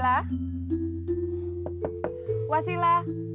kemana dia ya